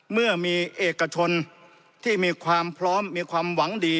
เมื่อมีเอกชนที่มีความพร้อมมีความหวังดี